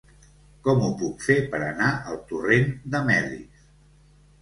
Com ho puc fer per anar al torrent de Melis?